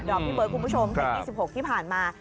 รอบที่เบิ้ลคุณผู้ชมปี๒๖ที่ผ่านมา